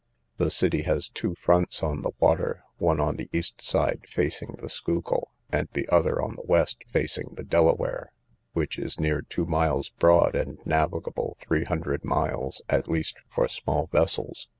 The city has two fronts on the water, one on the east side facing to Schuylkill, and the other on the west, facing the Delaware, which is near two miles broad, and navigable three hundred miles, at least for small vessels.